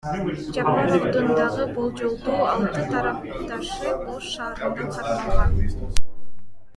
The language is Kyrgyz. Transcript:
Жапаровдун дагы болжолдуу алты тарапташы Ош шаарында кармалган.